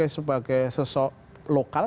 sebagai sosok lokal